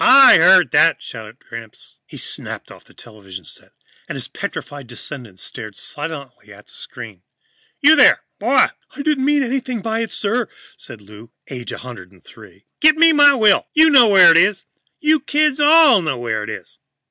"I heard that!" shouted Gramps. He snapped off the television set and his petrified descendants stared silently at the screen. "You, there, boy " "I didn't mean anything by it, sir," said Lou, aged 103. "Get me my will. You know where it is. You kids all know where it is.